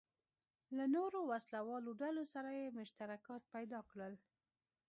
له نورو وسله والو ډلو سره یې مشترکات پیدا کړل.